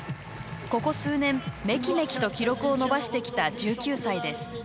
ここ数年、めきめきと記録を伸ばしてきた１９歳です。